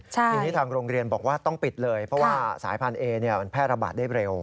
ทีนี้ทางโรงเรียนบอกว่าต้องปิดเลยเพราะว่าสายพันธุ์มันแพร่ระบาดได้เร็ว